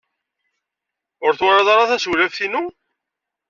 Ur twalad ara tasewlaft-inu?